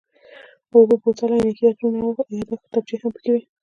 د اوبو بوتل، عینکې، عطرونه او یادښت کتابچې هم پکې وې.